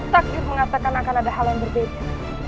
takdir mengatakan akan ada hal yang berbeda